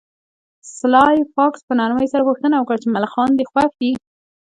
سلای فاکس په نرمۍ سره پوښتنه وکړه چې ملخان دې خوښ دي